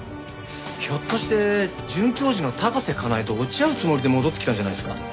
ひょっとして准教授の高瀬佳奈恵と落ち合うつもりで戻ってきたんじゃないですか？